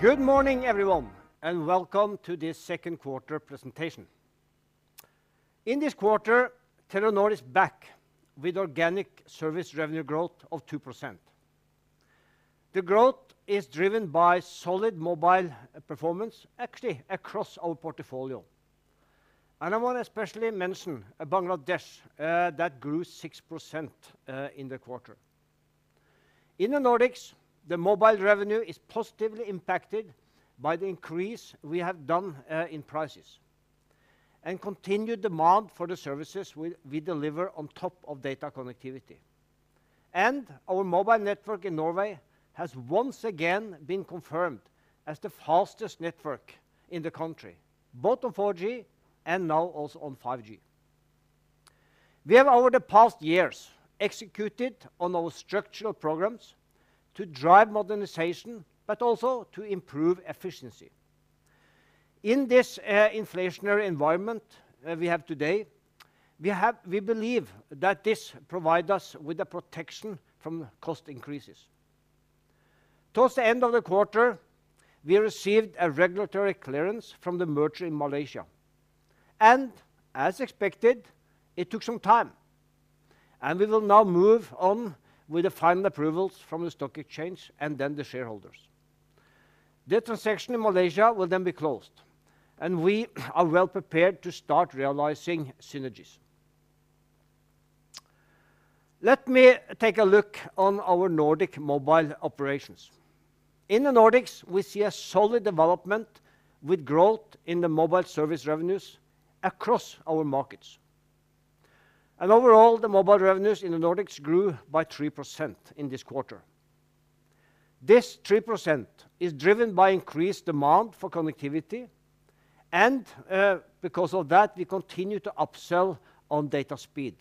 Good morning everyone, and welcome to this second quarter presentation. In this quarter, Telenor is back with organic service revenue growth of 2%. The growth is driven by solid mobile performance, actually across our portfolio. I wanna especially mention Bangladesh that grew 6% in the quarter. In the Nordics, the mobile revenue is positively impacted by the increase we have done in prices and continued demand for the services we deliver on top of data connectivity. Our mobile network in Norway has once again been confirmed as the fastest network in the country, both on 4G and now also on 5G. We have over the past years executed on our structural programs to drive modernization, but also to improve efficiency. In this inflationary environment, we believe that this provide us with the protection from cost increases. Towards the end of the quarter, we received a regulatory clearance from the merger in Malaysia, and as expected, it took some time, and we will now move on with the final approvals from the stock exchange and then the shareholders. The transaction in Malaysia will then be closed, and we are well prepared to start realizing synergies. Let me take a look on our Nordic mobile operations. In the Nordics, we see a solid development with growth in the mobile service revenues across our markets. Overall, the mobile revenues in the Nordics grew by 3% in this quarter. This 3% is driven by increased demand for connectivity and, because of that, we continue to upsell on data speed.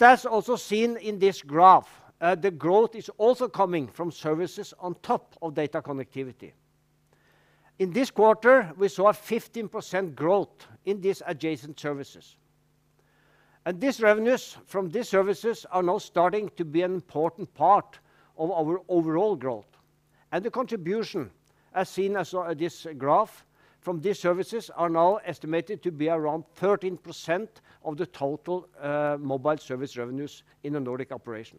As also seen in this graph, the growth is also coming from services on top of data connectivity. In this quarter, we saw a 15% growth in these adjacent services, and these revenues from these services are now starting to be an important part of our overall growth. The contribution, as seen in this graph, from these services are now estimated to be around 13% of the total, mobile service revenues in the Nordic operation.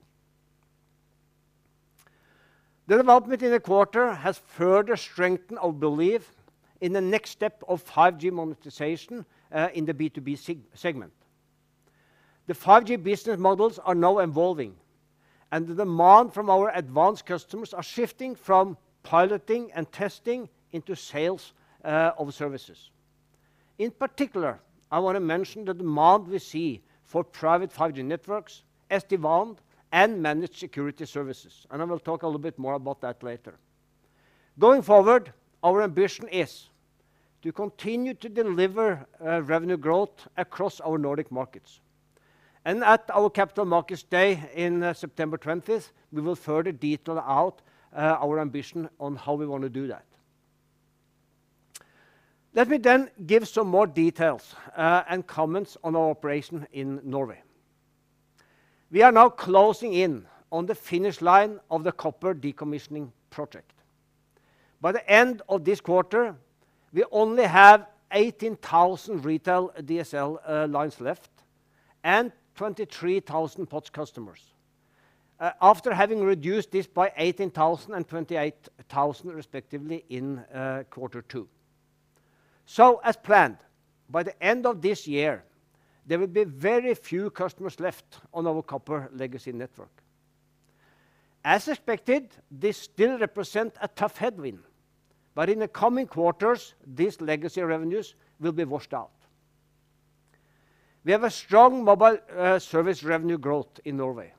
The development in the quarter has further strengthened our belief in the next step of 5G monetization in the B2B segment. The 5G business models are now evolving, and the demand from our advanced customers are shifting from piloting and testing into sales of services. In particular, I wanna mention the demand we see for private 5G networks and managed security services. I will talk a little bit more about that later. Going forward, our ambition is to continue to deliver revenue growth across our Nordic markets. At our Capital Markets Day in September 20th, we will further detail out our ambition on how we wanna do that. Let me then give some more details and comments on our operation in Norway. We are now closing in on the finish line of the copper decommissioning project. By the end of this quarter, we only have 18,000 retail DSL lines left and 23,000 POTS customers. After having reduced this by 18,000 and 28,000 respectively in quarter two. As planned, by the end of this year, there will be very few customers left on our copper legacy network. As expected, this still represent a tough headwind, but in the coming quarters, these legacy revenues will be washed out. We have a strong mobile service revenue growth in Norway.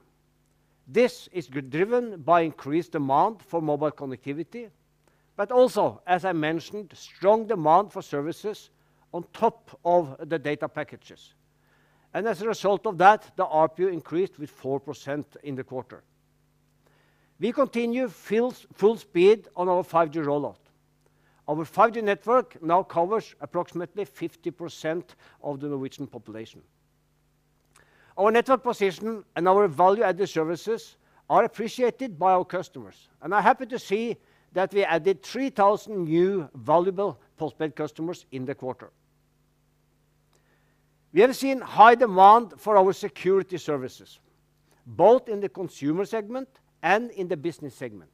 This is driven by increased demand for mobile connectivity, but also, as I mentioned, strong demand for services on top of the data packages. As a result of that, the ARPU increased with 4% in the quarter. We continue full speed on our 5G rollout. Our 5G network now covers approximately 50% of the Norwegian population. Our network position and our value-added services are appreciated by our customers. I'm happy to see that we added 3,000 new valuable postpaid customers in the quarter. We have seen high demand for our security services, both in the consumer segment and in the business segment.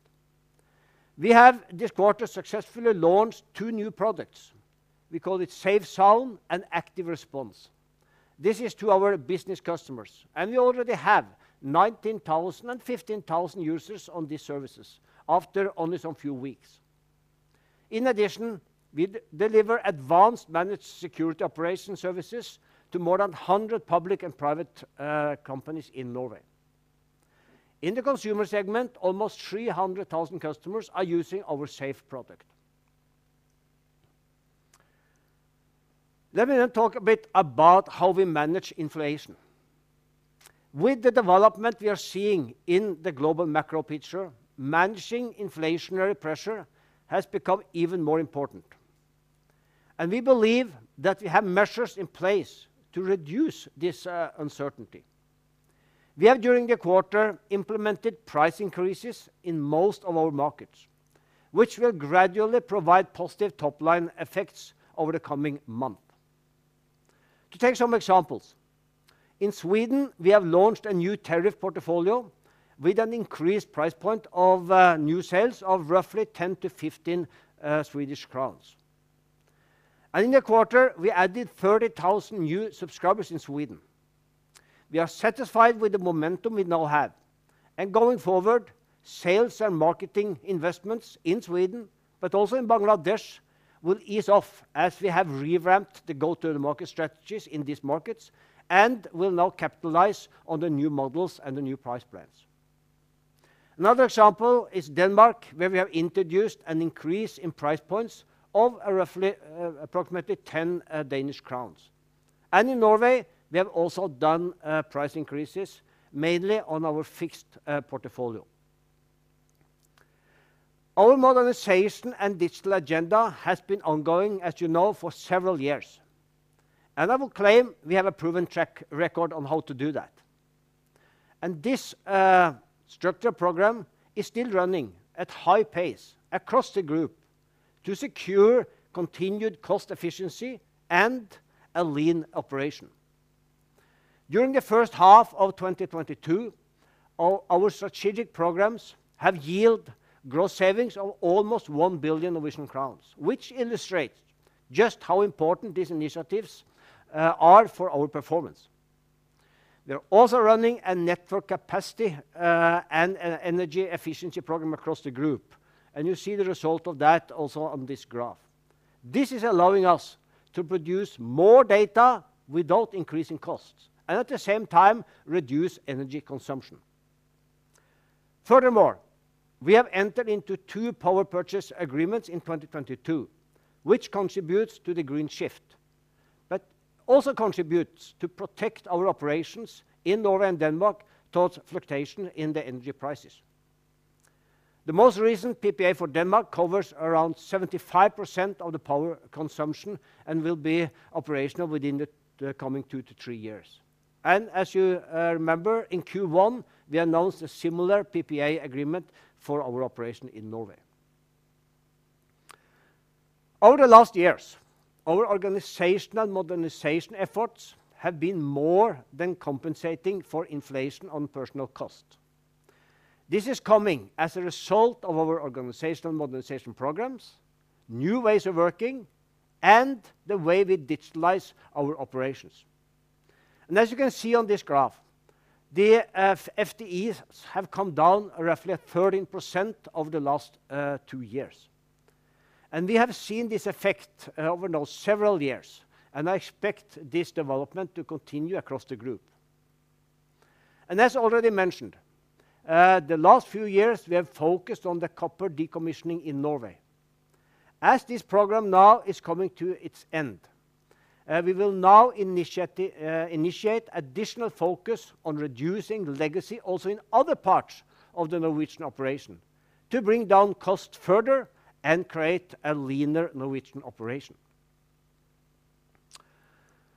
We have this quarter successfully launched two new products. We call it Safe Zone and Active Response. This is to our business customers, and we already have 19,000 and 15,000 users on these services after only some few weeks. In addition, we deliver advanced managed security operation services to more than 100 public and private companies in Norway. In the consumer segment, almost 300,000 customers are using our Safe product. Let me now talk a bit about how we manage inflation. With the development we are seeing in the global macro picture, managing inflationary pressure has become even more important. We believe that we have measures in place to reduce this uncertainty. We have during the quarter implemented price increases in most of our markets, which will gradually provide positive top-line effects over the coming month. To take some examples, in Sweden we have launched a new tariff portfolio with an increased price point of new sales of roughly 10-15 Swedish crowns. In the quarter, we added 30,000 new subscribers in Sweden. We are satisfied with the momentum we now have. Going forward, sales and marketing investments in Sweden, but also in Bangladesh, will ease off as we have revamped the go-to-market strategies in these markets and will now capitalize on the new models and the new price plans. Another example is Denmark, where we have introduced an increase in price points of roughly approximately 10 Danish crowns. In Norway, we have also done price increases, mainly on our fixed portfolio. Our modernization and digital agenda has been ongoing, as you know, for several years, and I will claim we have a proven track record on how to do that. This structure program is still running at high pace across the group to secure continued cost efficiency and a lean operation. During the first half of 2022, our strategic programs have yielded growth savings of almost 1 billion Norwegian crowns, which illustrates just how important these initiatives are for our performance. They're also running a network capacity and energy efficiency program across the group, and you see the result of that also on this graph. This is allowing us to produce more data without increasing costs and at the same time reduce energy consumption. Furthermore, we have entered into two power purchase agreements in 2022, which contributes to the green shift, but also contributes to protect our operations in Norway and Denmark towards fluctuation in the energy prices. The most recent PPA for Denmark covers around 75% of the power consumption and will be operational within the coming two to three years. As you remember in Q1, we announced a similar PPA agreement for our operation in Norway. Over the last years, our organizational modernization efforts have been more than compensating for inflation on personnel cost. This is coming as a result of our organizational modernization programs, new ways of working, and the way we digitalize our operations. As you can see on this graph, the FTEs have come down roughly by 13% over the last two years. We have seen this effect over now several years, and I expect this development to continue across the group. As already mentioned, the last few years we have focused on the copper decommissioning in Norway. As this program now is coming to its end, we will now initiate additional focus on reducing legacy also in other parts of the Norwegian operation to bring down costs further and create a leaner Norwegian operation.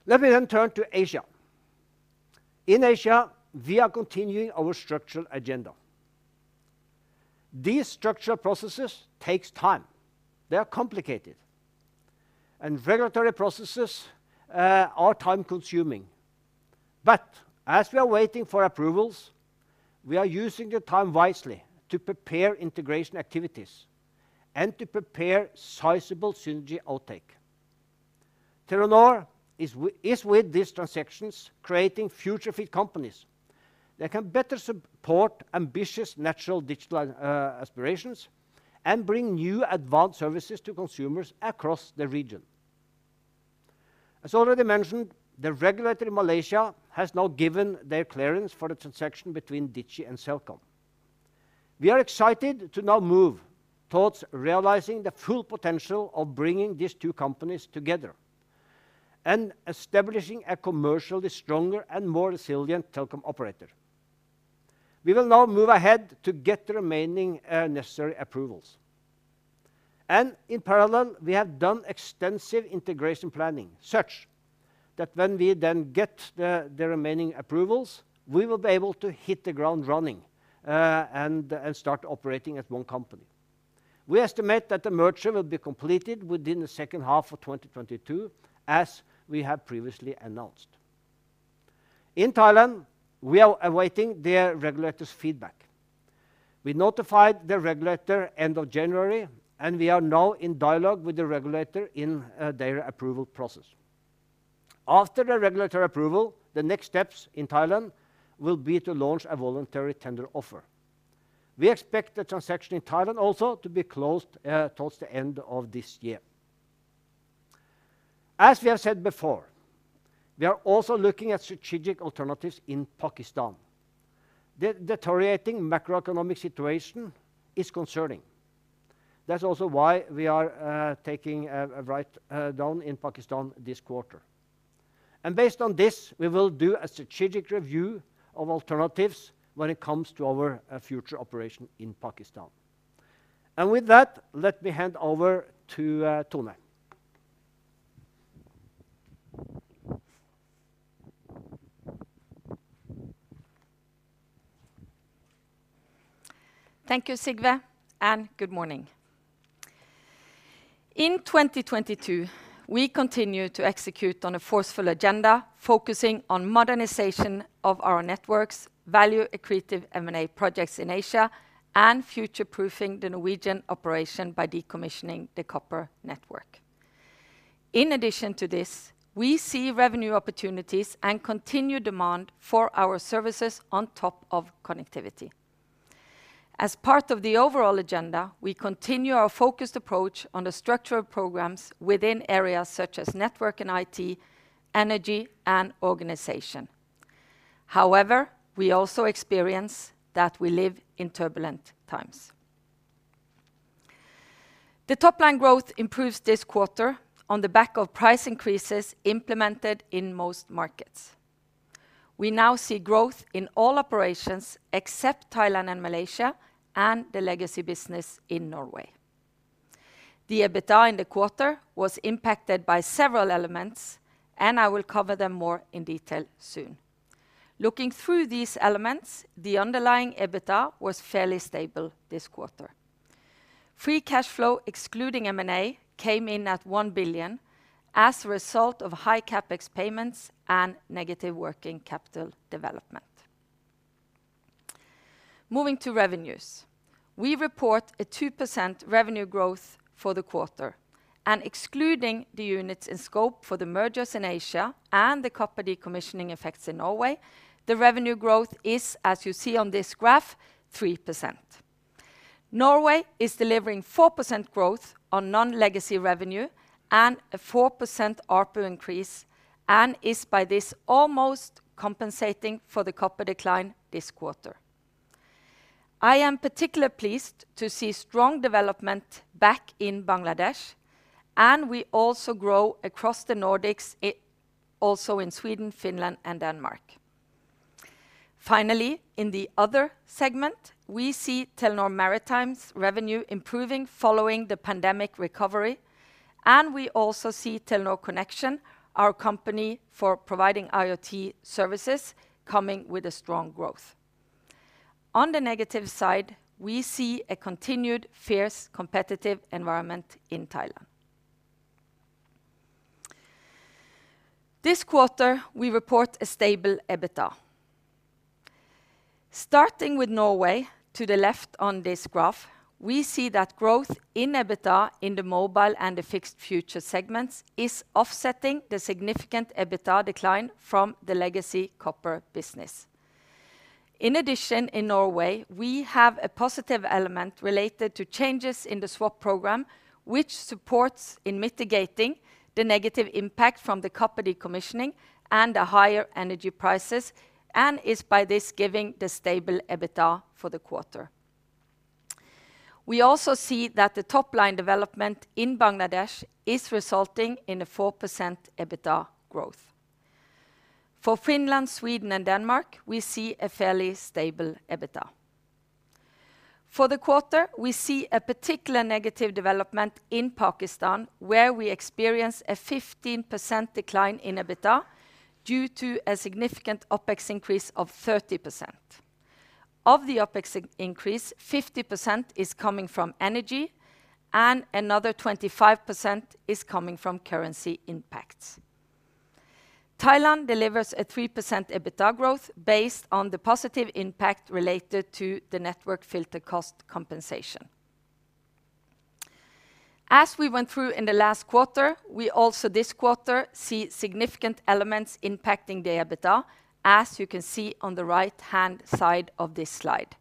Let me then turn to Asia. In Asia, we are continuing our structural agenda. These structural processes takes time. They are complicated. Regulatory processes are time-consuming. As we are waiting for approvals, we are using the time wisely to prepare integration activities and to prepare sizable synergy uptake. Telenor is with these transactions creating future-fit companies that can better support ambitious national digital aspirations and bring new advanced services to consumers across the region. As already mentioned, the regulator in Malaysia has now given their clearance for the transaction between Digi and Celcom. We are excited to now move towards realizing the full potential of bringing these two companies together and establishing a commercially stronger and more resilient telecom operator. We will now move ahead to get the remaining necessary approvals. In parallel, we have done extensive integration planning such that when we then get the remaining approvals, we will be able to hit the ground running and start operating as one company. We estimate that the merger will be completed within the second half of 2022, as we have previously announced. In Thailand, we are awaiting their regulator's feedback. We notified the regulator end of January, and we are now in dialogue with the regulator in their approval process. After the regulatory approval, the next steps in Thailand will be to launch a voluntary tender offer. We expect the transaction in Thailand also to be closed towards the end of this year. As we have said before, we are also looking at strategic alternatives in Pakistan. The deteriorating macroeconomic situation is concerning. That's also why we are taking a write-down in Pakistan this quarter. Based on this, we will do a strategic review of alternatives when it comes to our future operation in Pakistan. With that, let me hand over to Tone. Thank you, Sigve, and good morning. In 2022, we continue to execute on a forceful agenda focusing on modernization of our networks, value accretive M&A projects in Asia, and future-proofing the Norwegian operation by decommissioning the copper network. In addition to this, we see revenue opportunities and continued demand for our services on top of connectivity. As part of the overall agenda, we continue our focused approach on the structural programs within areas such as network and IT, energy, and organization. However, we also experience that we live in turbulent times. The top line growth improves this quarter on the back of price increases implemented in most markets. We now see growth in all operations except Thailand and Malaysia and the legacy business in Norway. The EBITDA in the quarter was impacted by several elements, and I will cover them more in detail soon. Looking through these elements, the underlying EBITDA was fairly stable this quarter. Free cash flow, excluding M&A, came in at 1 billion as a result of high CapEx payments and negative working capital development. Moving to revenues, we report a 2% revenue growth for the quarter. Excluding the units in scope for the mergers in Asia and the copper decommissioning effects in Norway, the revenue growth is, as you see on this graph, 3%. Norway is delivering 4% growth on non-legacy revenue and a 4% ARPU increase, and is by this almost compensating for the copper decline this quarter. I am particularly pleased to see strong development back in Bangladesh, and we also grow across the Nordics, also in Sweden, Finland, and Denmark. Finally, in the other segment, we see Telenor Maritime's revenue improving following the pandemic recovery, and we also see Telenor Connexion, our company for providing IoT services, coming with a strong growth. On the negative side, we see a continued fierce competitive environment in Thailand. This quarter, we report a stable EBITDA. Starting with Norway to the left on this graph, we see that growth in EBITDA in the mobile and the fixed future segments is offsetting the significant EBITDA decline from the legacy copper business. In addition, in Norway, we have a positive element related to changes in the swap program, which supports in mitigating the negative impact from the copper decommissioning and the higher energy prices, and is by this giving the stable EBITDA for the quarter. We also see that the top-line development in Bangladesh is resulting in a 4% EBITDA growth. For Finland, Sweden, and Denmark, we see a fairly stable EBITDA. For the quarter, we see a particular negative development in Pakistan, where we experience a 15% decline in EBITDA due to a significant OpEx increase of 30%. Of the OpEx increase, 50% is coming from energy, and another 25% is coming from currency impacts. Thailand delivers a 3% EBITDA growth based on the positive impact related to the network filter cost compensation. As we went through in the last quarter, we also this quarter see significant elements impacting the EBITDA, as you can see on the right-hand side of this slide.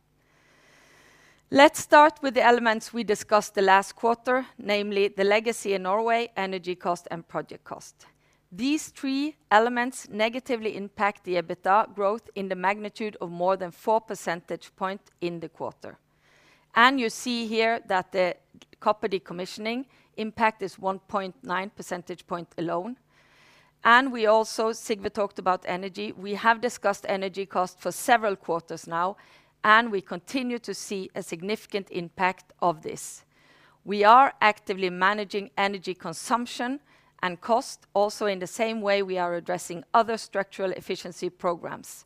Let's start with the elements we discussed the last quarter, namely the legacy in Norway, energy cost, and project cost. These three elements negatively impact the EBITDA growth in the magnitude of more than 4 percentage points in the quarter. You see here that the copper decommissioning impact is 1.9 percentage point alone. We also. Sigve talked about energy. We have discussed energy cost for several quarters now, and we continue to see a significant impact of this. We are actively managing energy consumption and cost also in the same way we are addressing other structural efficiency programs.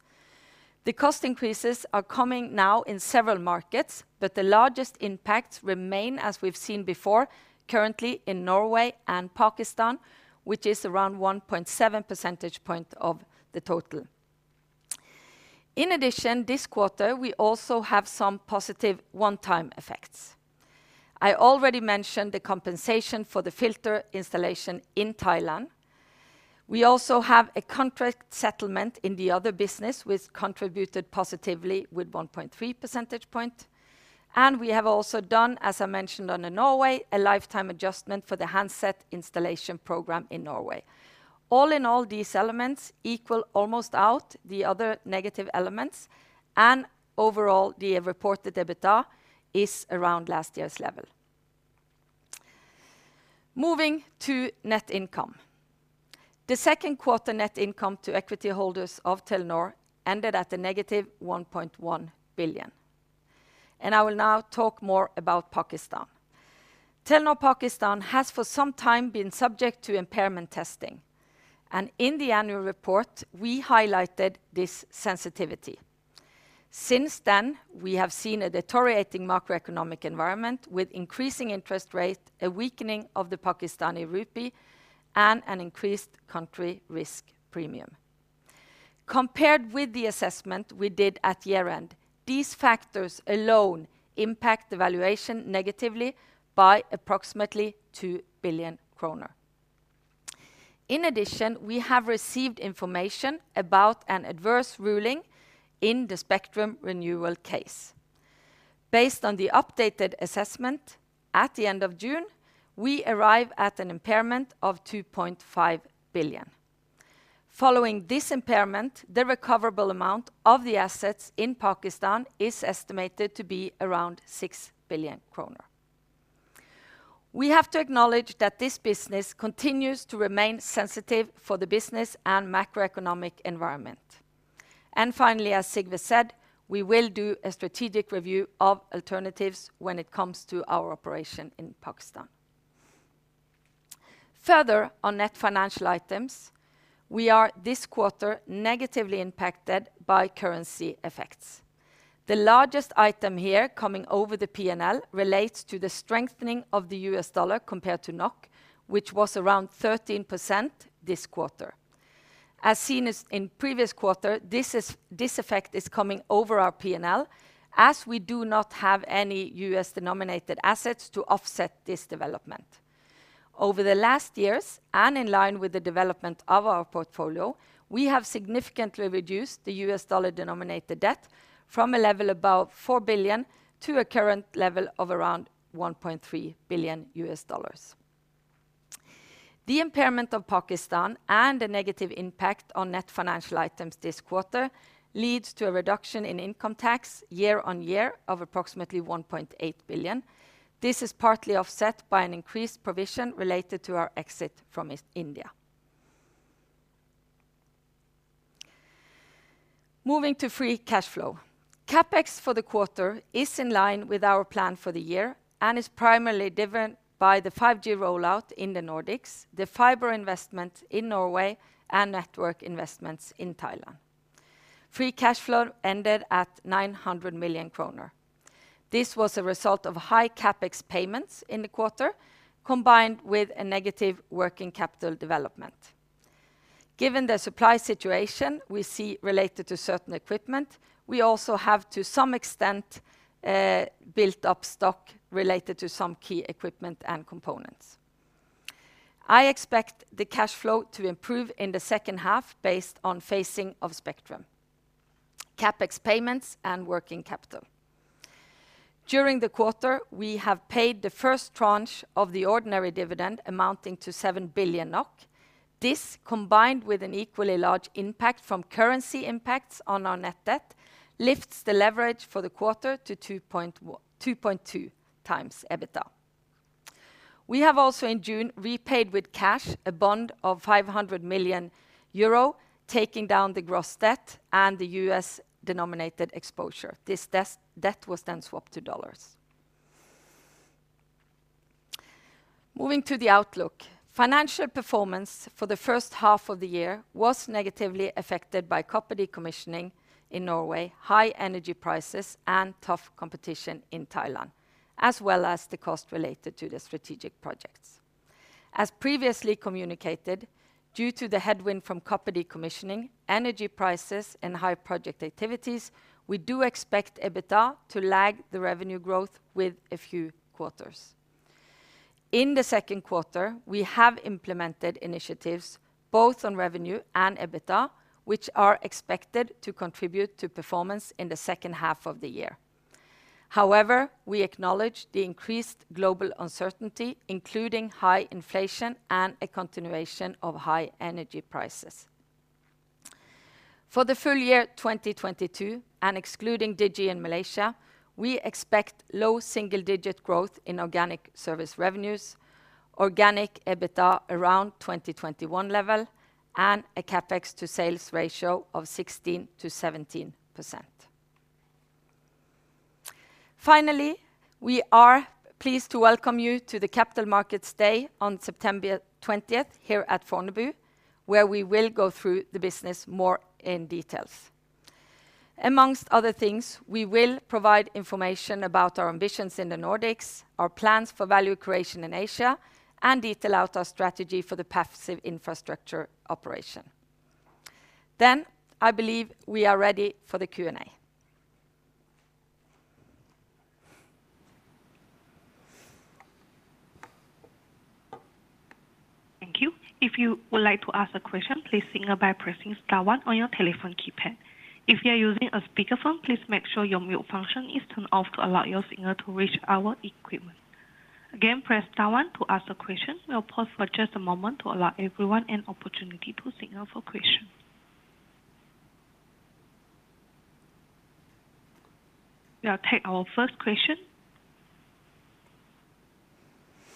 The cost increases are coming now in several markets, but the largest impacts remain, as we've seen before, currently in Norway and Pakistan, which is around 1.7 percentage point of the total. In addition, this quarter, we also have some positive one-time effects. I already mentioned the compensation for the filter installation in Thailand. We also have a contract settlement in the other business which contributed positively with 1.3 percentage point. We have also done, as I mentioned under Norway, a lifetime adjustment for the handset installation program in Norway. All in all these elements equal almost out the other negative elements, and overall, the reported EBITDA is around last year's level. Moving to net income. The second quarter net income to equity holders of Telenor ended at -1.1 billion. I will now talk more about Pakistan. Telenor Pakistan has for some time been subject to impairment testing, and in the annual report we highlighted this sensitivity. Since then, we have seen a deteriorating macroeconomic environment with increasing interest rate, a weakening of the Pakistani rupee, and an increased country risk premium. Compared with the assessment we did at year-end, these factors alone impact the valuation negatively by approximately 2 billion kroner. In addition, we have received information about an adverse ruling in the spectrum renewal case. Based on the updated assessment at the end of June, we arrive at an impairment of 2.5 billion. Following this impairment, the recoverable amount of the assets in Pakistan is estimated to be around 6 billion kroner. We have to acknowledge that this business continues to remain sensitive to the business and macroeconomic environment. Finally, as Sigve said, we will do a strategic review of alternatives when it comes to our operation in Pakistan. Further on net financial items, we are this quarter negatively impacted by currency effects. The largest item here coming over the P&L relates to the strengthening of the U.S. dollar compared to NOK, which was around 13% this quarter. As seen in previous quarter, this effect is coming over our P&L as we do not have any U.S.-denominated assets to offset this development. Over the last years, in line with the development of our portfolio, we have significantly reduced the U.S. dollar-denominated debt from a level above $4 billion to a current level of around $1.3 billion. The impairment in Pakistan and the negative impact on net financial items this quarter leads to a reduction in income tax year-over-year of approximately 1.8 billion. This is partly offset by an increased provision related to our exit from India. Moving to free cash flow. CapEx for the quarter is in line with our plan for the year and is primarily driven by the 5G rollout in the Nordics, the fiber investment in Norway, and network investments in Thailand. Free cash flow ended at 900 million kroner. This was a result of high CapEx payments in the quarter, combined with a negative working capital development. Given the supply situation we see related to certain equipment, we also have to some extent built up stock related to some key equipment and components. I expect the cash flow to improve in the second half based on phasing of spectrum, CapEx payments, and working capital. During the quarter, we have paid the first tranche of the ordinary dividend amounting to 7 billion NOK. This, combined with an equally large impact from currency impacts on our net debt, lifts the leverage for the quarter to 2.1x to 2.2x EBITDA. We have also in June repaid with cash a bond of 500 million euro, taking down the gross debt and the U.S.-denominated exposure. This debt was then swapped to dollars. Moving to the outlook. Financial performance for the first half of the year was negatively affected by copper decommissioning in Norway, high energy prices, and tough competition in Thailand, as well as the cost related to the strategic projects. As previously communicated, due to the headwind from copper decommissioning, energy prices, and high project activities, we do expect EBITDA to lag the revenue growth with a few quarters. In the second quarter, we have implemented initiatives both on revenue and EBITDA, which are expected to contribute to performance in the second half of the year. However, we acknowledge the increased global uncertainty, including high inflation and a continuation of high energy prices. For the full year 2022, and excluding Digi and Malaysia, we expect low single-digit growth in organic service revenues, organic EBITDA around 2021 level, and a CapEx to sales ratio of 16%-17%. Finally, we are pleased to welcome you to the Capital Markets Day on September 20th here at Fornebu, where we will go through the business more in detail. Among other things, we will provide information about our ambitions in the Nordics, our plans for value creation in Asia, and detail out our strategy for the passive infrastructure operation. I believe we are ready for the Q&A. Thank you. If you would like to ask a question, please signal by pressing star one on your telephone keypad. If you are using a speakerphone, please make sure your mute function is turned off to allow your signal to reach our equipment. Again, press star one to ask a question. We'll pause for just a moment to allow everyone an opportunity to signal for questions. We'll take our first question.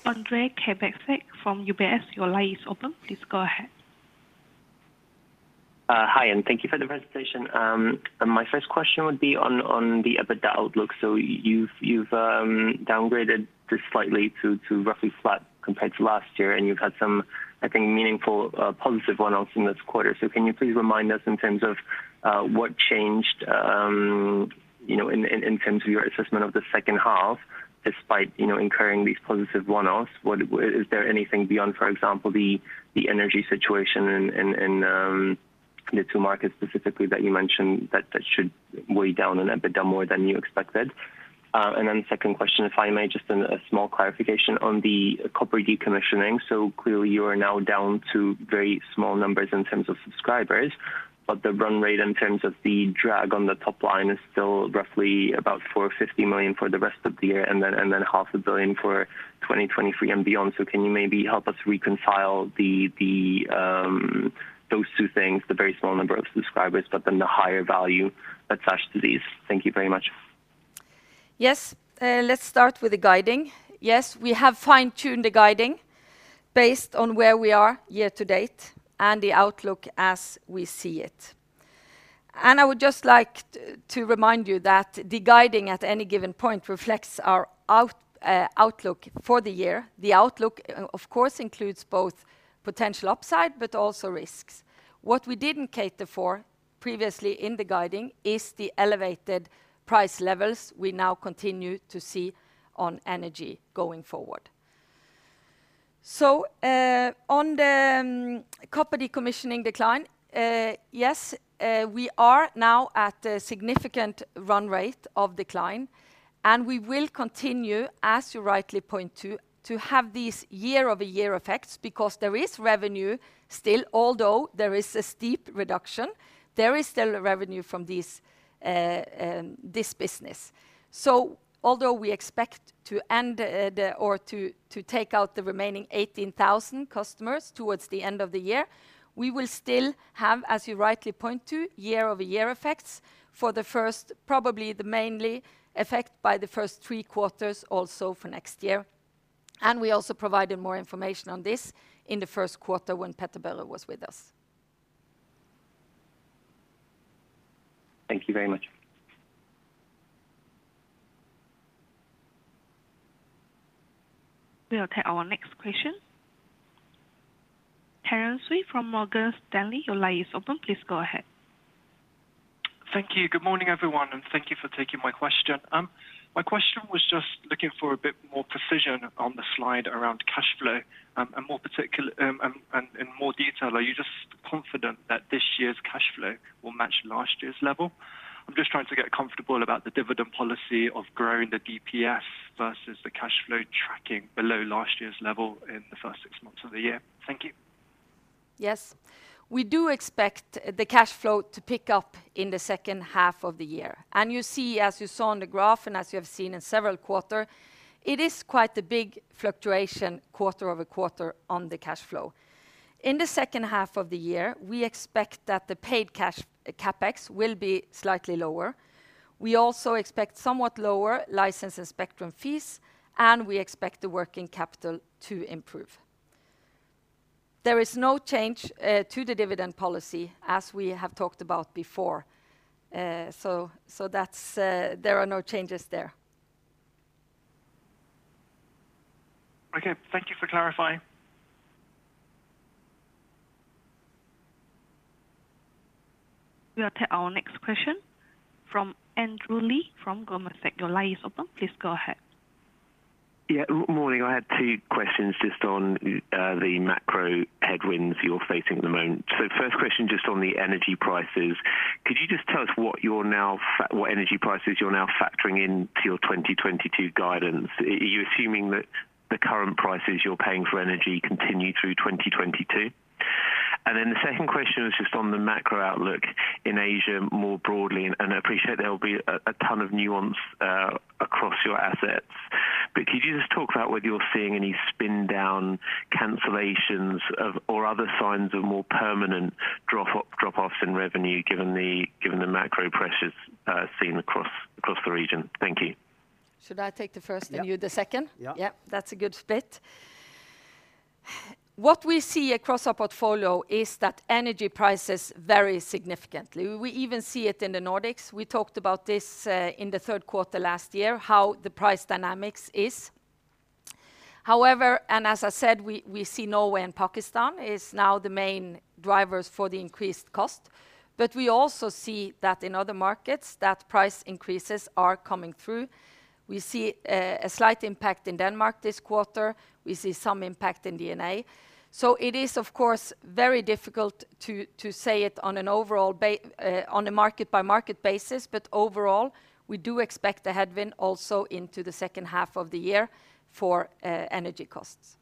Andrew Lee from Goldman Sachs, your line is open. Please go ahead. Hi. Thank you for the presentation. My first question would be on the EBITDA outlook. You've downgraded this slightly to roughly flat compared to last year, and you've had some, I think, meaningful positive one-offs in this quarter. Can you please remind us in terms of what changed, you know, in terms of your assessment of the second half despite, you know, incurring these positive one-offs? Is there anything beyond, for example, the energy situation in the two markets specifically that you mentioned that should weigh down on EBITDA more than you expected? Second question, if I may, just a small clarification on the copper decommissioning. Clearly you are now down to very small numbers in terms of subscribers, but the run rate in terms of the drag on the top line is still roughly about 450 million for the rest of the year and then 500 million for 2023 and beyond. Can you maybe help us reconcile those two things, the very small number of subscribers but then the higher value attached to these? Thank you very much. Yes. Let's start with the guidance. Yes, we have fine-tuned the guidance based on where we are year to date and the outlook as we see it. I would just like to remind you that the guidance at any given point reflects our outlook for the year. The outlook of course includes both potential upside but also risks. What we didn't cater for previously in the guidance is the elevated price levels we now continue to see on energy going forward. On the copper decommissioning decline, yes, we are now at a significant run rate of decline, and we will continue, as you rightly point to have these year-over-year effects because there is revenue still. Although there is a steep reduction, there is still revenue from this business. Although we expect to end to take out the remaining 18,000 customers towards the end of the year, we will still have, as you rightly point to, year-over-year effects for the first probably the main effect in the first three quarters also for next year. We also provided more information on this in the first quarter when Petter-Børre Furberg was with us. Thank you very much. We'll take our next question. Terence Hui from Morgan Stanley, your line is open. Please go ahead. Thank you. Good morning, everyone, and thank you for taking my question. My question was just looking for a bit more precision on the slide around cash flow, and more detail. Are you just confident that this year's cash flow will match last year's level? I'm just trying to get comfortable about the dividend policy of growing the DPS versus the cash flow tracking below last year's level in the first six months of the year. Thank you. Yes. We do expect the cash flow to pick up in the second half of the year. You see, as you saw on the graph and as you have seen in several quarters, it is quite a big fluctuation quarter over quarter on the cash flow. In the second half of the year, we expect that the paid cash CapEx will be slightly lower. We also expect somewhat lower license and spectrum fees, and we expect the working capital to improve. There is no change to the dividend policy as we have talked about before. So that's there are no changes there. Okay. Thank you for clarifying. We'll take our next question from Andrew Lee from Goldman Sachs. Your line is open. Please go ahead. Yeah. Morning. I had two questions just on the macro headwinds you're facing at the moment. First question just on the energy prices. Could you just tell us what energy prices you're now factoring into your 2022 guidance? Are you assuming that the current prices you're paying for energy continue through 2022? The second question was just on the macro outlook in Asia more broadly, and I appreciate there'll be a ton of nuance across your assets. Could you just talk about whether you're seeing any spin down cancellations of, or other signs of more permanent drop-offs in revenue given the macro pressures seen across the region? Thank you. Should I take the first- Yeah. You the second? Yeah. Yeah. That's a good split. What we see across our portfolio is that energy prices vary significantly. We even see it in the Nordics. We talked about this in the third quarter last year, how the price dynamics is. However, and as I said, we see Norway and Pakistan is now the main drivers for the increased cost. We also see that in other markets that price increases are coming through. We see a slight impact in Denmark this quarter. We see some impact in DNA. It is of course very difficult to say it on an overall, on a market-by-market basis. Overall, we do expect a headwind also into the second half of the year for energy costs.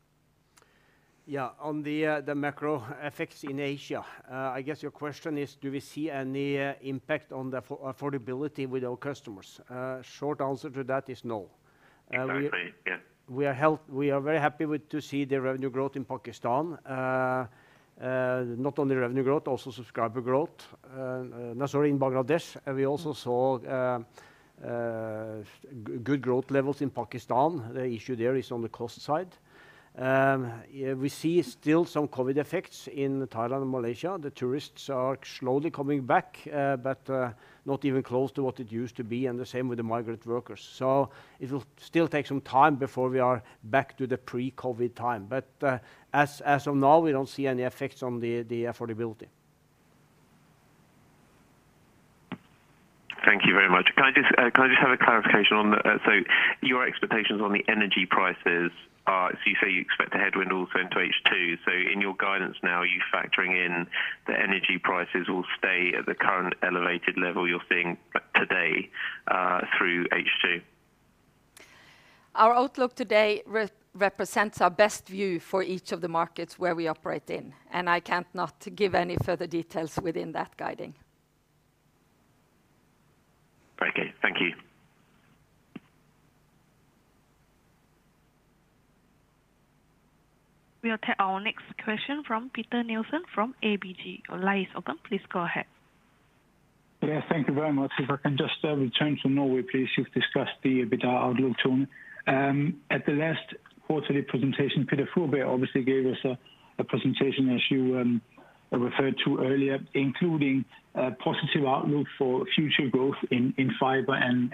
Yeah. On the macro effects in Asia, I guess your question is do we see any impact on the affordability with our customers? Short answer to that is no. We are very happy to see the revenue growth in Bangladesh. Not only revenue growth, also subscriber growth. We also saw good growth levels in Pakistan. The issue there is on the cost side. We see still some COVID effects in Thailand and Malaysia. The tourists are slowly coming back, not even close to what it used to be, and the same with the migrant workers. It will still take some time before we are back to the pre-COVID time. As of now, we don't see any effects on the affordability. Thank you very much. Can I just have a clarification on that? Your expectations on the energy prices are, so you say you expect a headwind also into H2. In your guidance now, are you factoring in that energy prices will stay at the current elevated level you're seeing today through H2? Our outlook today represents our best view for each of the markets where we operate in, and I can't not give any further details within that guiding. Okay. Thank you. We'll take our next question from Peter Nielsen from ABG. Your line is open. Please go ahead. Yeah, thank you very much. If I can just return to Norway, please. You've discussed the EBITDA outlook tone. At the last quarterly presentation, Petter-Børre Furberg obviously gave us a presentation, as you referred to earlier, including a positive outlook for future growth in fiber and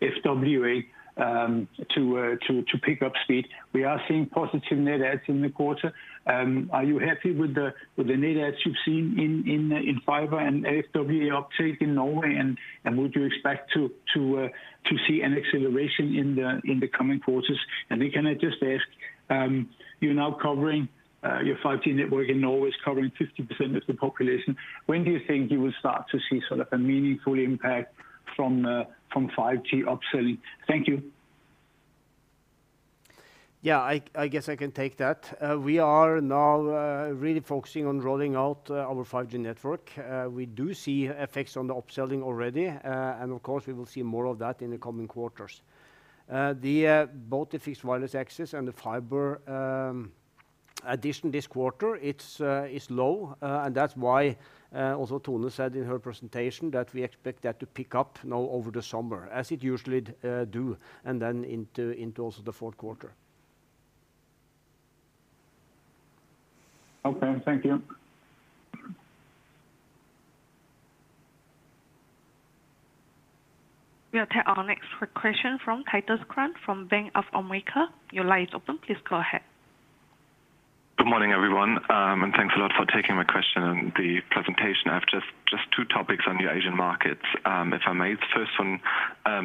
FWA to pick up speed. We are seeing positive net adds in the quarter. Are you happy with the net adds you've seen in fiber and FWA uptake in Norway? Would you expect to see an acceleration in the coming quarters? Can I just ask, is your 5G network in Norway now covering 50% of the population? When do you think you will start to see sort of a meaningful impact from 5G upselling? Thank you. Yeah, I guess I can take that. We are now really focusing on rolling out our 5G network. We do see effects on the upselling already, and of course, we will see more of that in the coming quarters. Both the fixed wireless access and the fiber addition this quarter is low. That's why also Tone said in her presentation that we expect that to pick up now over the summer, as it usually do, and then into also the fourth quarter. Okay. Thank you. We'll take our next question from Titus Krahn from Bank of America. Your line is open. Please go ahead. Good morning, everyone, and thanks a lot for taking my question and the presentation. I have just two topics on the Asian markets, if I may. The first one,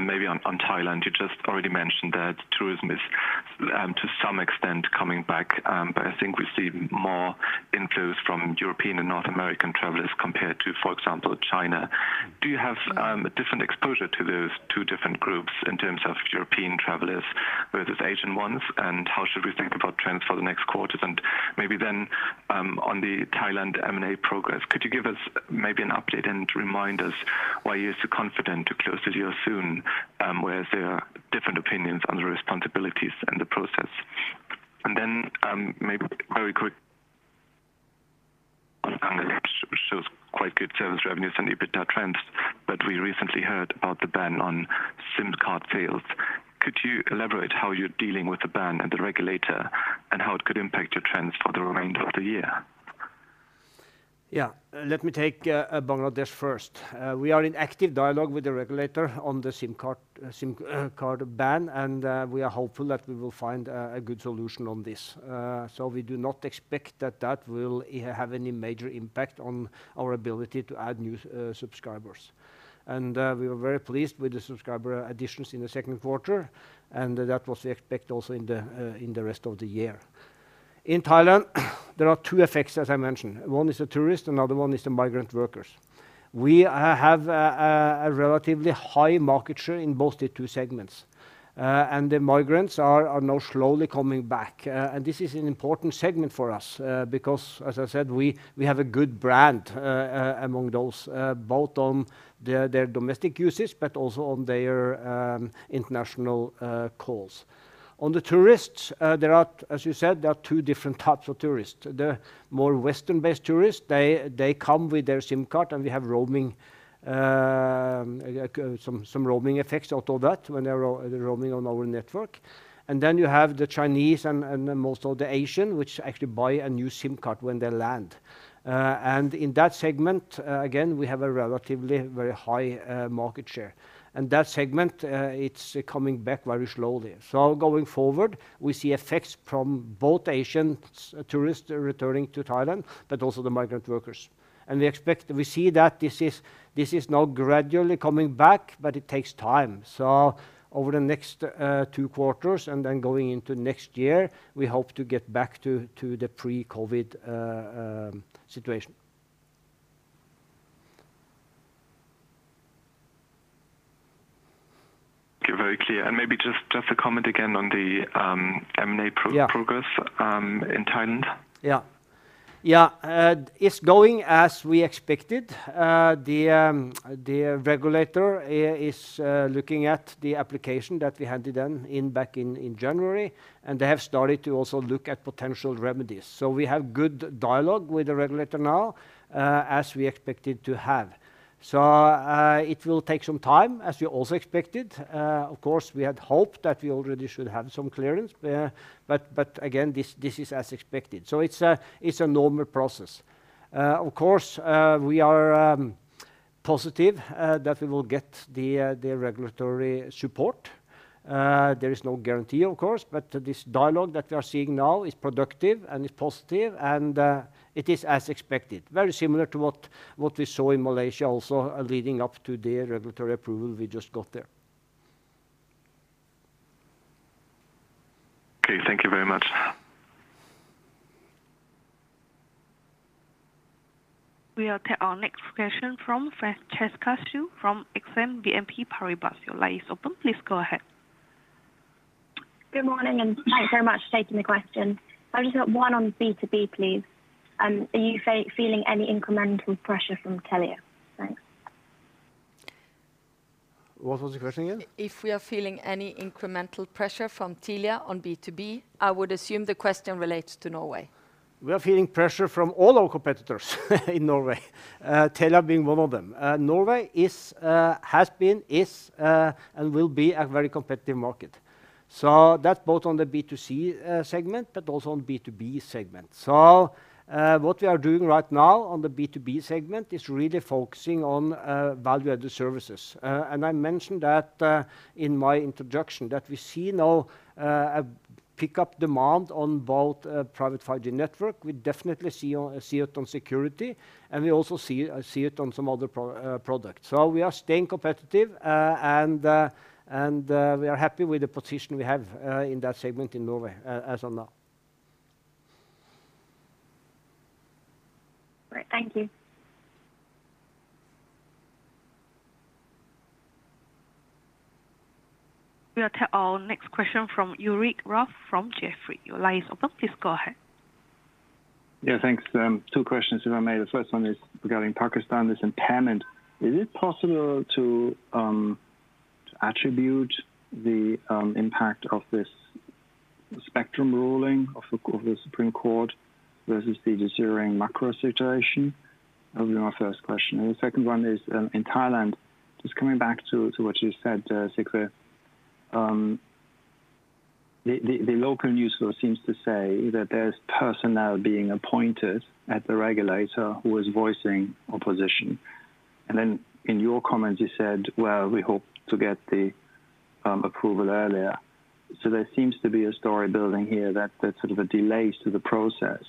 maybe on Thailand. You just already mentioned that tourism is to some extent coming back, but I think we see more inflows from European and North American travelers compared to, for example, China. Do you have a different exposure to those two different groups in terms of European travelers versus Asian ones? And how should we think about trends for the next quarters? And maybe then, on the Thailand M&A progress, could you give us maybe an update and remind us why you're so confident to close the deal soon, where there are different opinions on the responsibilities and the process? Maybe very quick on Bangladesh, which shows quite good sales revenues and EBITDA trends, but we recently heard about the ban on SIM card sales. Could you elaborate how you're dealing with the ban and the regulator, and how it could impact your trends for the remainder of the year? Yeah. Let me take Bangladesh first. We are in active dialogue with the regulator on the SIM card ban, and we are hopeful that we will find a good solution on this. So we do not expect that will have any major impact on our ability to add new subscribers. We are very pleased with the subscriber additions in the second quarter, and that was the expectation also in the rest of the year. In Thailand, there are two effects, as I mentioned. One is the tourist, another one is the migrant workers. We have a relatively high market share in both the two segments. The migrants are now slowly coming back. This is an important segment for us, because as I said, we have a good brand among those both on their domestic usage but also on their international calls. On the tourists, there are, as you said, there are two different types of tourists. The more Western-based tourists, they come with their SIM card, and we have roaming like some roaming effects out of that when they're roaming on our network. Then you have the Chinese and most of the Asian, which actually buy a new SIM card when they land. In that segment, again, we have a relatively very high market share. That segment, it's coming back very slowly. Going forward, we see effects from both Asian tourists returning to Thailand, but also the migrant workers. We see that this is now gradually coming back, but it takes time. Over the next two quarters and then going into next year, we hope to get back to the pre-COVID situation. Okay. Very clear. Maybe just a comment again on the M&A progress- Yeah. ...in Thailand. It's going as we expected. The regulator is looking at the application that we handed in back in January, and they have started to also look at potential remedies. We have good dialogue with the regulator now, as we expected to have. It will take some time, as we also expected. Of course, we had hoped that we already should have some clearance, but again, this is as expected. It's a normal process. Of course, we are positive that we will get the regulatory support. There is no guarantee, of course, but this dialogue that we are seeing now is productive and is positive, and it is as expected. Very similar to what we saw in Malaysia also leading up to their regulatory approval we just got there. Okay. Thank you very much. We'll take our next question from Francesca Schild from Exane BNP Paribas. Your line is open. Please go ahead. Good morning, and thanks very much for taking the question. I've just got one on B2B, please. Are you feeling any incremental pressure from Telia? Thanks. What was the question again? If we are feeling any incremental pressure from Telia on B2B. I would assume the question relates to Norway. We are feeling pressure from all our competitors in Norway, Telia being one of them. Norway has been, is, and will be a very competitive market. That's both on the B2C segment, but also on the B2B segment. What we are doing right now on the B2B segment is really focusing on value-added services. I mentioned that in my introduction that we see now a pick-up demand on both private 5G network. We definitely see it on security, and we also see it on some other products. We are staying competitive, and we are happy with the position we have in that segment in Norway as of now. Great. Thank you. We'll take our next question from Ulrich Rathe from Jefferies. Your line is open. Please go ahead. Yeah, thanks. Two questions if I may. The first one is regarding Pakistan, this impairment. Is it possible to attribute the impact of this spectrum ruling of the Supreme Court versus the deteriorating macro situation? That will be my first question. The second one is in Thailand, just coming back to what you said, Sigve. The local news source seems to say that there's personnel being appointed at the regulator who is voicing opposition. In your comments, you said, well, we hope to get the approval earlier. There seems to be a story building here that there's sort of a delay to the process,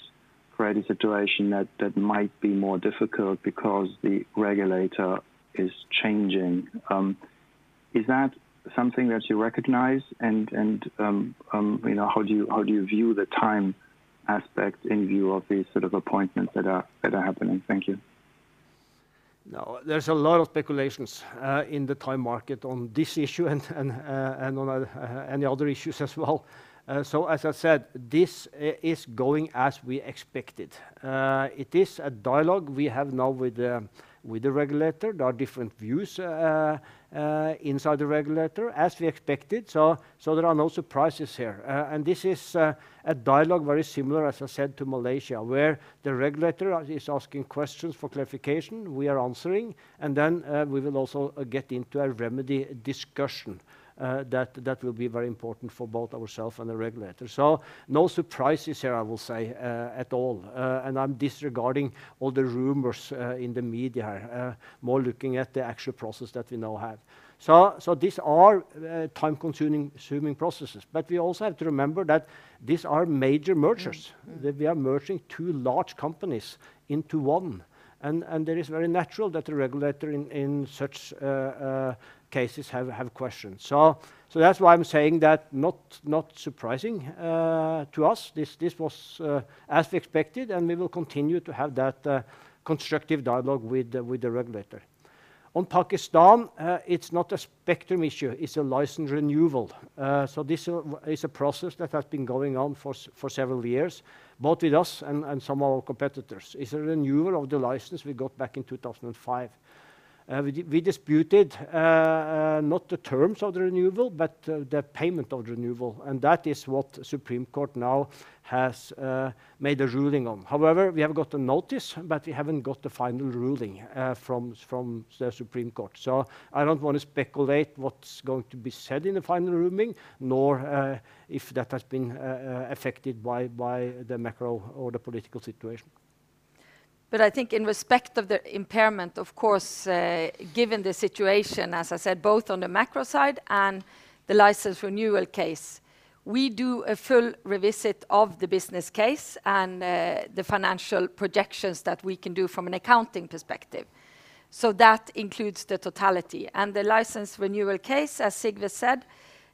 creating a situation that might be more difficult because the regulator is changing. Is that something that you recognize? You know, how do you view the time aspect in view of these sort of appointments that are happening? Thank you. No, there's a lot of speculations in the Thai market on this issue and on any other issues as well. As I said, this is going as we expected. It is a dialogue we have now with the regulator. There are different views inside the regulator, as we expected. There are no surprises here. This is a dialogue very similar, as I said, to Malaysia, where the regulator is asking questions for clarification, we are answering, and then we will also get into a remedy discussion that will be very important for both ourself and the regulator. No surprises here, I will say, at all. I'm disregarding all the rumors in the media. More looking at the actual process that we now have. These are time-consuming processes, but we also have to remember that these are major mergers. That we are merging two large companies into one. It is very natural that the regulator in such cases have questions. That's why I'm saying that not surprising to us. This was as we expected, and we will continue to have that constructive dialogue with the regulator. On Pakistan, it's not a spectrum issue, it's a license renewal. This is a process that has been going on for several years, both with us and some of our competitors. It's a renewal of the license we got back in 2005. We disputed not the terms of the renewal, but the payment of renewal, and that is what Supreme Court now has made a ruling on. However, we have got a notice, but we haven't got the final ruling from the Supreme Court. I don't want to speculate what's going to be said in the final ruling, nor if that has been affected by the macro or the political situation. I think in respect of the impairment, of course, given the situation, as I said, both on the macro side and the license renewal case, we do a full revisit of the business case and the financial projections that we can do from an accounting perspective. That includes the totality. The license renewal case, as Sigve said,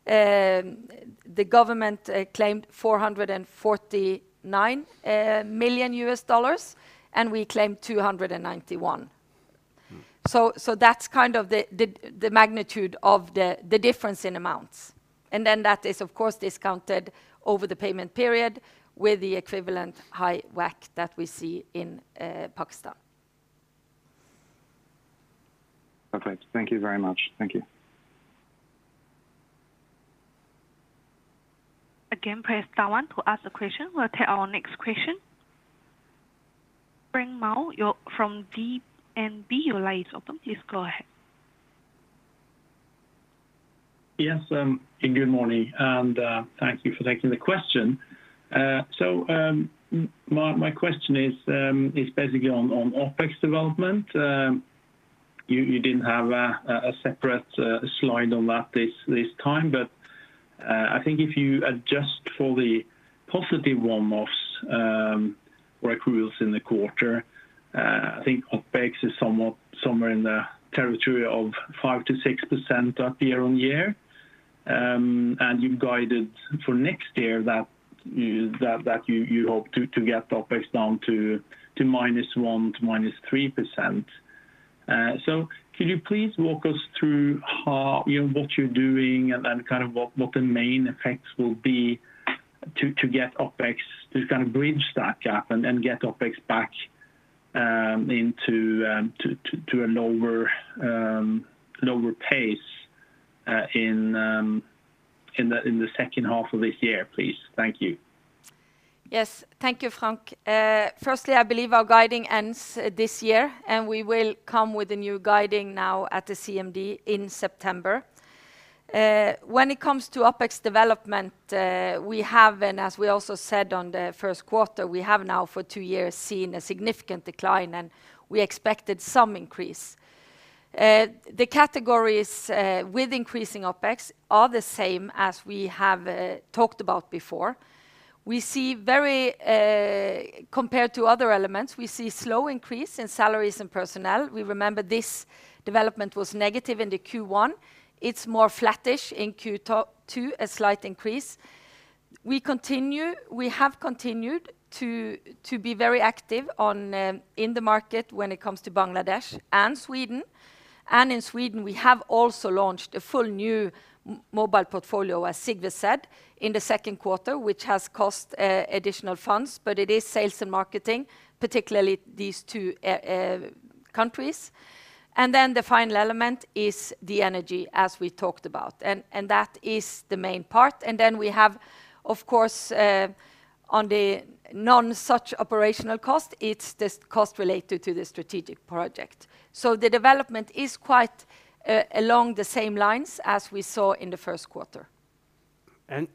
the government claimed $449 million, and we claimed $291 million. That's kind of the magnitude of the difference in amounts. Then that is of course discounted over the payment period with the equivalent high WACC that we see in Pakistan. Okay. Thank you very much. Thank you. Again, press star one to ask a question. We'll take our next question. Frank Maaø, you're from DNB. Your line is open. Please go ahead. Yes, good morning, and thank you for taking the question. My question is basically on OpEx development. You didn't have a separate slide on that this time. I think if you adjust for the positive one-offs or accruals in the quarter, I think OpEx is somewhat somewhere in the territory of 5%-6% up year-on-year. You've guided for next year that you hope to get OpEx down to -1% to -3%. Could you please walk us through how, you know, what you're doing and then kind of what the main effects will be to get OpEx to kind of bridge that gap and get OpEx back into a lower pace in the second half of this year, please? Thank you. Yes. Thank you, Frank. Firstly, I believe our guidance ends this year, and we will come with a new guidance now at the CMD in September. When it comes to OpEx development, we have, and as we also said on the first quarter, we have now for two years seen a significant decline, and we expected some increase. The categories with increasing OpEx are the same as we have talked about before. Compared to other elements, we see slow increase in salaries and personnel. We remember this development was negative in the Q1. It's more flattish in Q2, a slight increase. We have continued to be very active in the market when it comes to Bangladesh and Sweden. In Sweden we have also launched a full new mobile portfolio, as Sigve said, in the second quarter, which has cost additional funds, but it is sales and marketing, particularly these two countries. The final element is the energy, as we talked about. That is the main part. We have of course one such operational cost, it's the cost related to the strategic project. The development is quite along the same lines as we saw in the first quarter.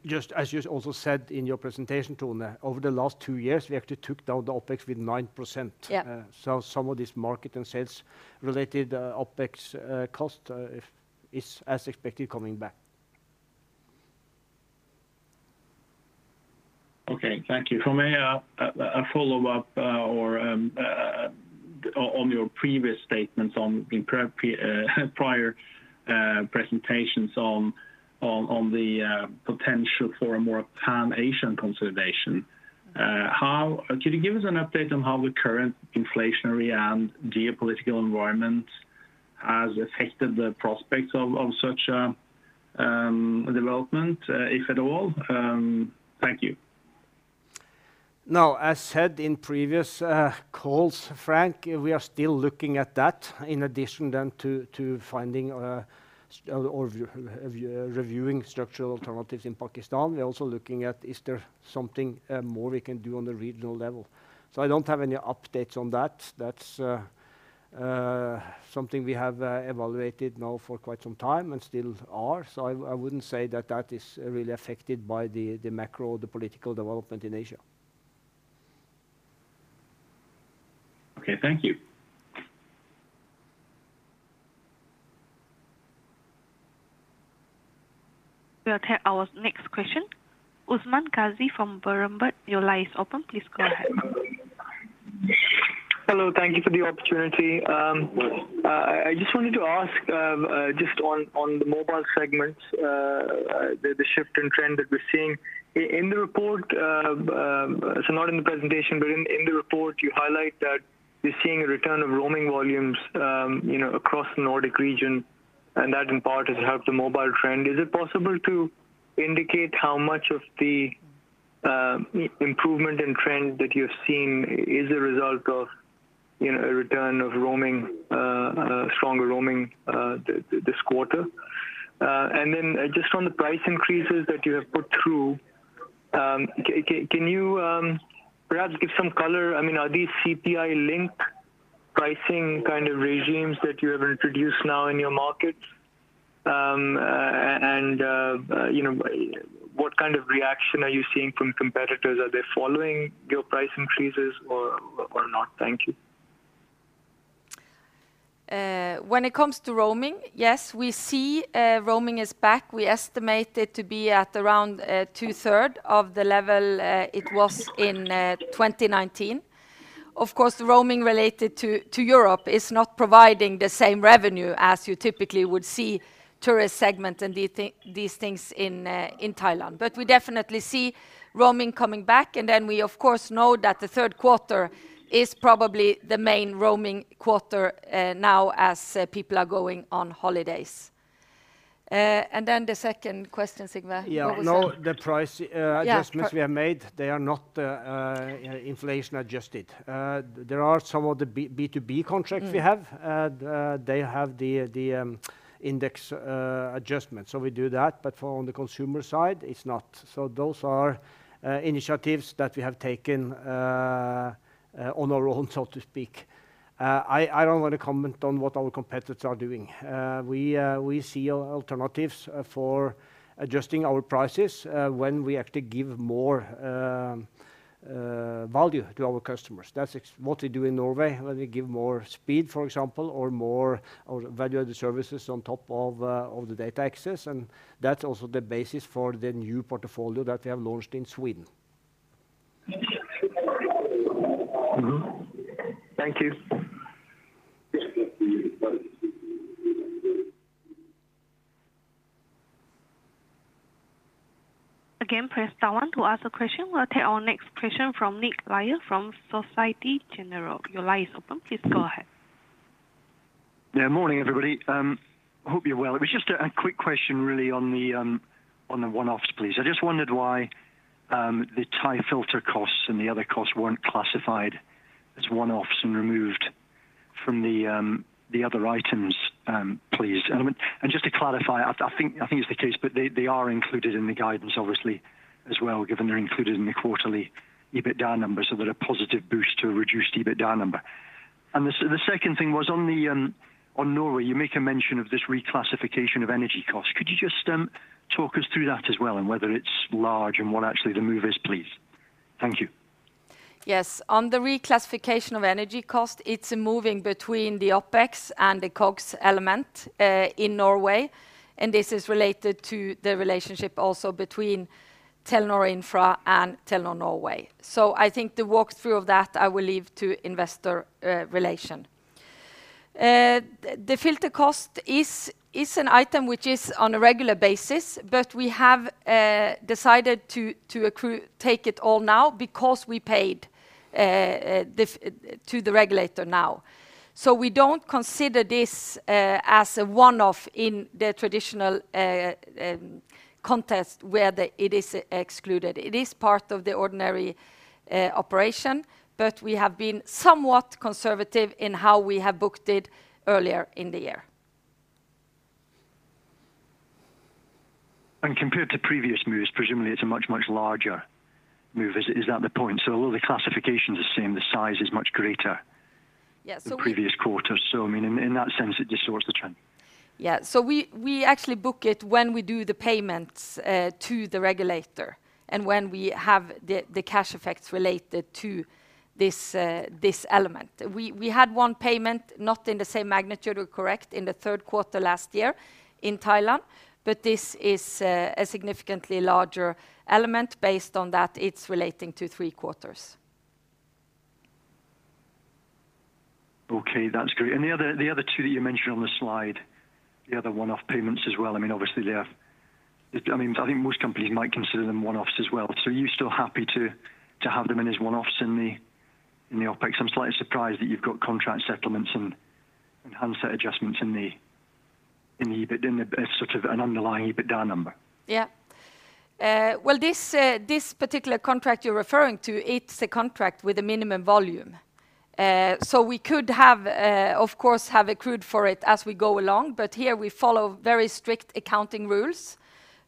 Just as you also said in your presentation, Tone, over the last two years, we actually took down the OpEx with 9%. Yeah. Some of this market and sales related OpEx cost it is as expected coming back. Okay. Thank you. From a follow-up on your previous statements on prior presentations on the potential for a more pan-Asian consolidation, how could you give us an update on how the current inflationary and geopolitical environment has affected the prospects of such development, if at all? Thank you. Now, as said in previous calls, Frank, we are still looking at that. In addition then to finding or reviewing structural alternatives in Pakistan, we're also looking at is there something more we can do on the regional level. I don't have any updates on that. That's something we have evaluated now for quite some time and still are. I wouldn't say that is really affected by the macro or the political development in Asia. Okay. Thank you. We'll take our next question. Usman Ghazi from Berenberg. Your line is open. Please go ahead. Hello. Thank you for the opportunity. I just wanted to ask, just on the mobile segment, the shift in trend that we're seeing. In the report, so not in the presentation, but in the report you highlight that you're seeing a return of roaming volumes, you know, across the Nordic region and that in part has helped the mobile trend. Is it possible to indicate how much of the improvement in trend that you're seeing is a result of, you know, a return of roaming, stronger roaming this quarter? Just on the price increases that you have put through, can you perhaps give some color? I mean, are these CPI-linked pricing kind of regimes that you have introduced now in your markets? You know, what kind of reaction are you seeing from competitors? Are they following your price increases or not? Thank you. When it comes to roaming, yes, we see roaming is back. We estimate it to be at around 2/3 of the level it was in 2019. Of course, the roaming related to Europe is not providing the same revenue as you typically would see tourist segment and these things in Thailand. We definitely see roaming coming back. We of course know that the third quarter is probably the main roaming quarter now as people are going on holidays. The second question, Sigve, what was that? Yeah. No, the price. Yeah. Adjustments we have made, they are not inflation adjusted. There are some of the B2B contracts we have. Mm-hmm. They have the index adjustment, so we do that. On the consumer side, it's not. Those are initiatives that we have taken on our own, so to speak. I don't wanna comment on what our competitors are doing. We see alternatives for adjusting our prices when we have to give more value to our customers. That's what we do in Norway, when we give more speed, for example, or more value-added services on top of the data access, and that's also the basis for the new portfolio that we have launched in Sweden. Thank you. Again, press star one to ask a question. We'll take our next question from Nick Lyall from Société Générale. Your line is open. Please go ahead. Yeah. Morning, everybody. Hope you're well. It was just a quick question really on the one-offs, please. I just wondered why the Thai filter costs and the other costs weren't classified as one-offs and removed from the other items, please. Just to clarify, I think it's the case, but they are included in the guidance obviously as well, given they're included in the quarterly EBITDA numbers so that a positive boost to a reduced EBITDA number. The second thing was on Norway, you make a mention of this reclassification of energy costs. Could you just talk us through that as well and whether it's large and what actually the move is, please? Thank you. Yes. On the reclassification of energy cost, it's moving between the OpEx and the COGS element in Norway, and this is related to the relationship also between Telenor Infra and Telenor Norway. I think the walk through of that I will leave to investor relations. The filter cost is an item which is on a regular basis, but we have decided to accrue, take it all now because we paid the filter cost to the regulator now. We don't consider this as a one-off in the traditional context where it is excluded. It is part of the ordinary operation, but we have been somewhat conservative in how we have booked it earlier in the year. Compared to previous moves, presumably it's a much, much larger move. Is that the point? Although the classification is the same, the size is much greater- Yeah. ...than previous quarters. I mean, in that sense it distorts the trend. We actually book it when we do the payments to the regulator and when we have the cash effects related to this element. We had one payment, not in the same magnitude or correct, in the third quarter last year in Thailand, but this is a significantly larger element. Based on that, it's relating to three quarters. Okay. That's great. The other two that you mentioned on the slide, the other one-off payments as well, I mean, obviously they are. I mean, I think most companies might consider them one-offs as well. Are you still happy to have them in as one-offs in the OpEx? I'm slightly surprised that you've got contract settlements and handset adjustments in the EBIT, sort of an underlying EBITDA number. Yeah. Well, this particular contract you're referring to, it's a contract with a minimum volume. We could have, of course, accrued for it as we go along, but here we follow very strict accounting rules.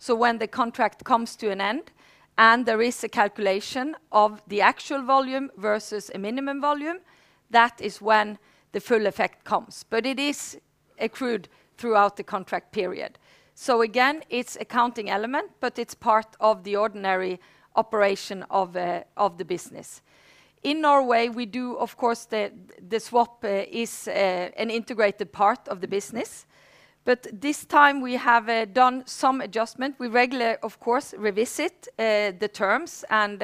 When the contract comes to an end and there is a calculation of the actual volume versus a minimum volume, that is when the full effect comes. It is accrued throughout the contract period. Again, it's accounting element, but it's part of the ordinary operation of the business. In Norway, we do of course, the swap is an integrated part of the business. This time we have done some adjustment. We regularly, of course, revisit the terms and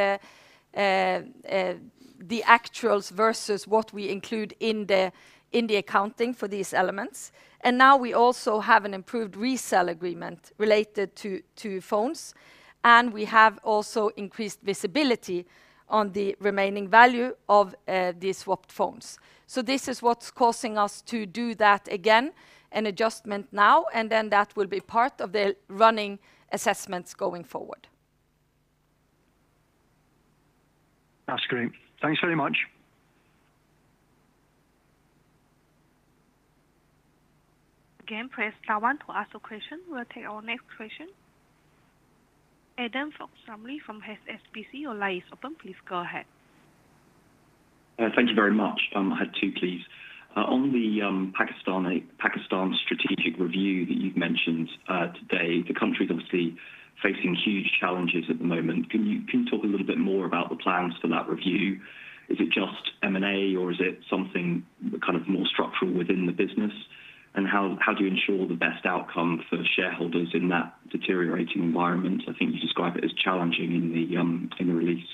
the actuals versus what we include in the accounting for these elements. Now we also have an improved resell agreement related to phones, and we have also increased visibility on the remaining value of the swapped phones. This is what's causing us to do that again, an adjustment now, and then that will be part of the running assessments going forward. That's great. Thanks very much. Again, press star one to ask a question. We'll take our next question. Adam Fox-Rumley from HSBC, your line is open. Please go ahead. Thank you very much. I had two, please. On the Pakistan strategic review that you've mentioned today, the country's obviously facing huge challenges at the moment. Can you talk a little bit more about the plans for that review? Is it just M&A or is it something kind of more structural within the business? How do you ensure the best outcome for shareholders in that deteriorating environment? I think you describe it as challenging in the release.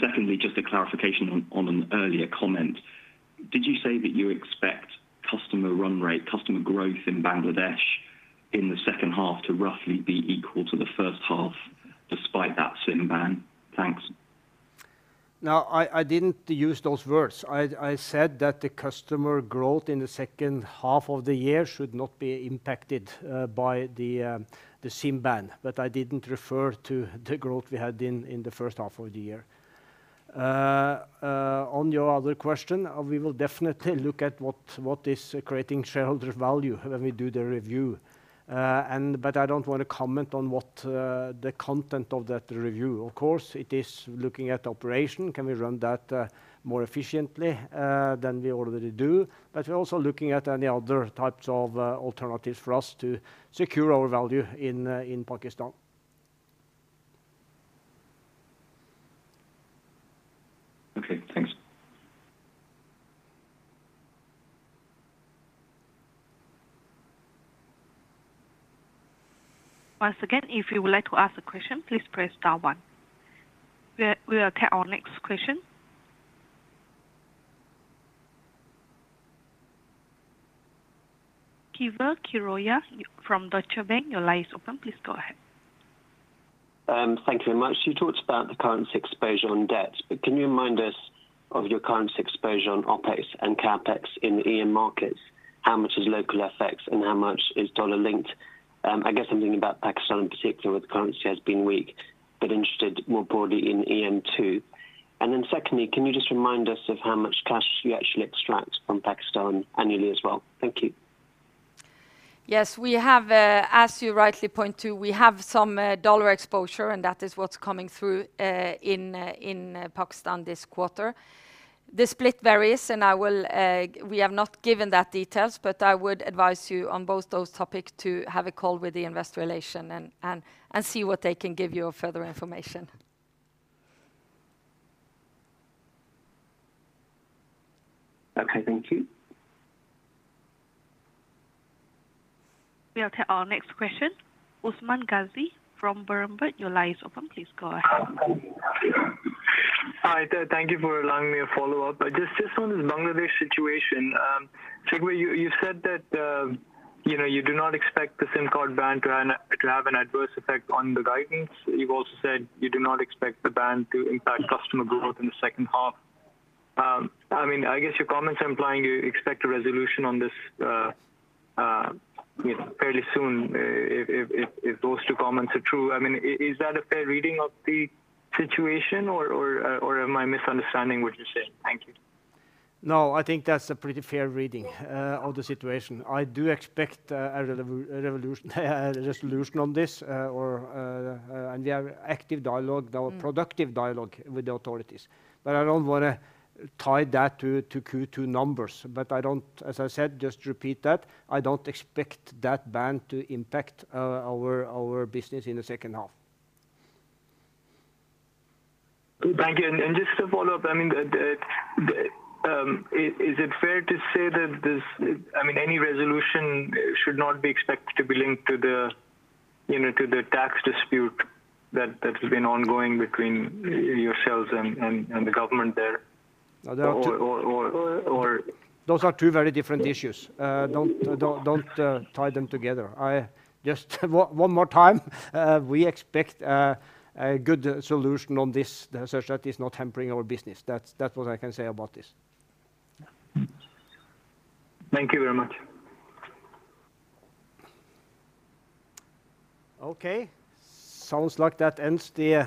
Secondly, just a clarification on an earlier comment. Did you say that you expect customer run rate, customer growth in Bangladesh in the second half to roughly be equal to the first half despite that SIM ban? Thanks. Now I didn't use those words. I said that the customer growth in the second half of the year should not be impacted by the SIM ban, but I didn't refer to the growth we had in the first half of the year. On your other question, we will definitely look at what is creating shareholder value when we do the review. I don't wanna comment on what the content of that review. Of course, it is looking at operations. Can we run that more efficiently than we already do? We're also looking at any other types of alternatives for us to secure our value in Pakistan. Okay, thanks. Once again, if you would like to ask a question, please press star one. We will take our next question. Keval Khiroya from Deutsche Bank, your line is open. Please go ahead. Thank you very much. You talked about the currency exposure and debt, but can you remind us of your current exposure on OpEx and CapEx in EM markets? How much is local effects and how much is dollar-linked? I guess I'm thinking about Pakistan in particular, where the currency has been weak, but interested more broadly in EM too. Secondly, can you just remind us of how much cash you actually extract from Pakistan annually as well? Thank you. Yes. We have, as you rightly point to, we have some dollar exposure, and that is what's coming through in Pakistan this quarter. The split varies. We have not given those details, but I would advise you on both those topics to have a call with the Investor Relations and see what they can give you of further information. Okay, thank you. We'll take our next question. Usman Ghazi from Berenberg, your line is open. Please go ahead. Hi there. Thank you for allowing me a follow-up. Just on this Bangladesh situation, Sigve, you said that, you know, you do not expect the SIM card ban to have an adverse effect on the guidance. You've also said you do not expect the ban to impact customer growth in the second half. I mean, I guess your comments implying you expect a resolution on this, you know, fairly soon, if those two comments are true. I mean, is that a fair reading of the situation, or am I misunderstanding what you're saying? Thank you. No, I think that's a pretty fair reading of the situation. I do expect a resolution on this, and we have productive dialogue with the authorities. I don't wanna tie that to Q2 numbers. As I said, just repeat that, I don't expect that ban to impact our business in the second half. Thank you. Just to follow up, I mean, is it fair to say, I mean, any resolution should not be expected to be linked to the, you know, to the tax dispute that has been ongoing between yourselves and the government there? No, that. Or, or, or- Those are two very different issues. Don't tie them together. One more time, we expect a good solution on this such that it's not hampering our business. That's what I can say about this. Thank you very much. Okay. Sounds like that ends the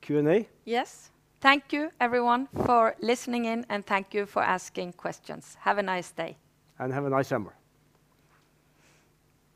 Q&A. Yes. Thank you everyone for listening in, and thank you for asking questions. Have a nice day. Have a nice summer.